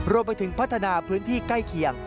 รวมไปถึงพัฒนาพื้นที่ใกล้เคียง